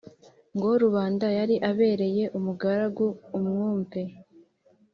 ngo rubanda yari abereye umugaragu, imwumve.